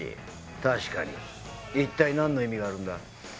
確かに一体何の意味があるんだ？